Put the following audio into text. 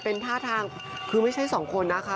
เป็นท่าทางคือไม่ใช่สองคนนะคะ